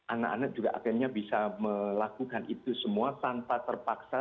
anak anak juga akhirnya bisa melakukan itu semua tanpa terpaksa